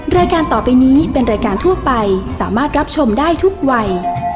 รายการต่อไปนี้เป็นรายการทั่วไปสามารถรับชมได้ทุกวัย